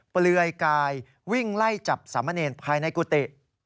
เปลือยกายวิ่งไล่จับสามเณรภายในกุฏิ